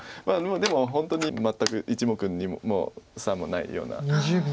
まあでも本当に全く１目の差もないような。